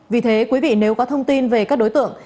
vì thế quý vị nếu có thông tin về các đối tượng